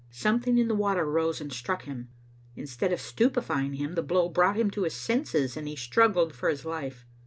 Something in the water rose and struck him. Instead of stupefying him, the blow brought him to his senses, and he struggled for his life.